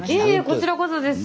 こちらこそです